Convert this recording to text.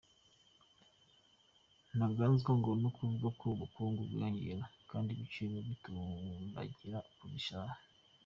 ntangazwa no kuvuga ko ubukungu bwiyongera kandi ibiciro bitumbagira buri saha.